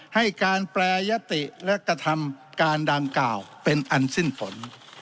ให้การแปรยติและกระทำการดังกล่าวเป็นอันสิ้นฝน